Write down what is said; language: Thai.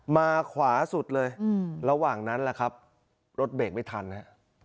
มาขวาสุดเลยระหว่างนั้นแหละครับรถเบรกไม่ทันฮะ